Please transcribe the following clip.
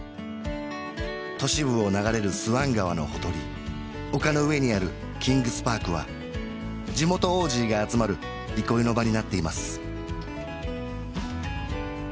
都市部を流れるスワン川のほとり丘の上にあるキングスパークは地元オージーが集まる憩いの場になっています